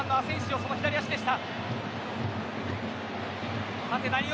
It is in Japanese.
その左足でした。